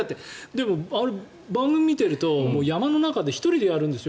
でも、番組を見てると山の中で１人でやるんですよ。